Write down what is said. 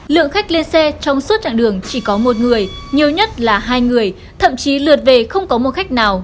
lượng khách lên xe trong suốt chặng đường chỉ có một người nhiều nhất là hai người thậm chí lượt về không có một khách nào